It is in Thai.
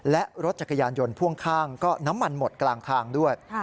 และรถจักรยานยนต์พ่วงข้างก็น้ำมันหมดกลางทางด้วย